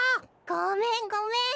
ごめんごめん。